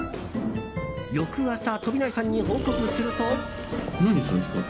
翌朝、飛内さんに報告すると。